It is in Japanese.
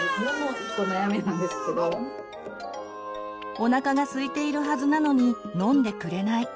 おなかがすいているはずなのに飲んでくれない。